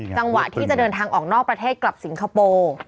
จังหวะที่จะเดินทางออกนอกประเทศกลับสิงคโปร์